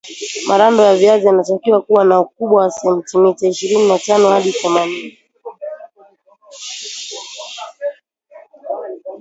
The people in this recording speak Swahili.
marando yaviazi yanatakiwa kuwa na ukubwa wa sentimita ishirini na tano hadi themanini